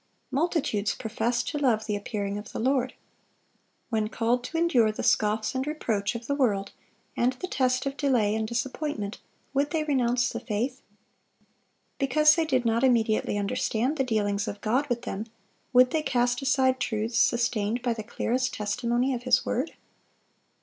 Multitudes professed to love the appearing of the Lord. When called to endure the scoffs and reproach of the world, and the test of delay and disappointment, would they renounce the faith? Because they did not immediately understand the dealings of God with them, would they cast aside truths sustained by the clearest testimony of His word?